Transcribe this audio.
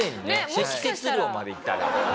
積雪量までいったら。